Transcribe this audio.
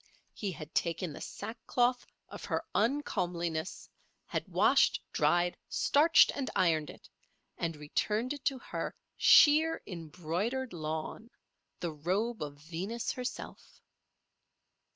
He had taken the sackcloth of her uncomeliness, had washed, dried, starched and ironed it, and returned it to her sheer embroidered lawn—the robe of Venus herself.